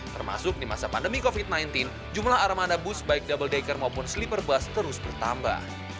termasuk di masa pandemi covid sembilan belas jumlah armada bus baik double decker maupun sleeper bus terus bertambah